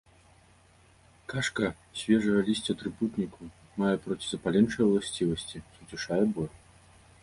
Кашка з свежага лісця трыпутніку мае процізапаленчыя ўласцівасці, суцішае боль.